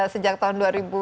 sejak tahun dua ribu